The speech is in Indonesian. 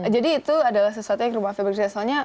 jadi itu adalah sesuatu yang rumah v berkira soalnya